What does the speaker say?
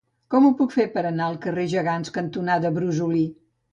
Com ho puc fer per anar al carrer Gegants cantonada Brosolí?